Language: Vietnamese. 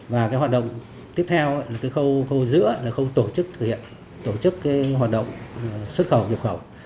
và cái hoạt động tiếp theo là cái khâu khâu giữa là khâu tổ chức thực hiện tổ chức hoạt động xuất khẩu nhập khẩu